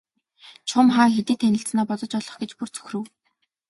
Чухам хаа хэдийд танилцсанаа бодож олох гэж бүр цөхрөв.